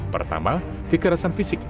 pertama kekerasan fisik